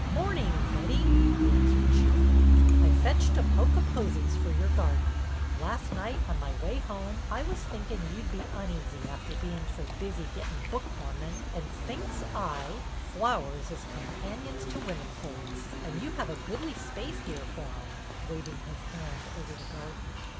" Morning, Betty," he answered cheerfully. " I fetched a poke o' posies for your garden. Last night, on my way home, I was thinkin' you 'd be uneasy after bein' so busy gettin' book lamin', and thinks I, ' Flowers is com panions to wimmen folks,' and you have a goodly space here for 'em," waving his hand over the garden.